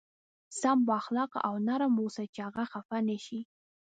سم با اخلاقه او نرم اوسه چې هغه خفه نه شي.